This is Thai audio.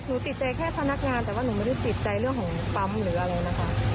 ติดใจแค่พนักงานแต่ว่าหนูไม่ได้ติดใจเรื่องของปั๊มหรืออะไรนะคะ